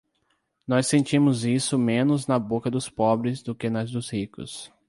Nós sentimos isso menos na boca dos pobres do que na dos ricos.